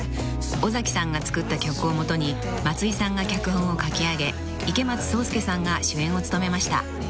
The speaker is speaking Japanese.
［尾崎さんが作った曲をもとに松居さんが脚本を書き上げ池松壮亮さんが主演を務めました］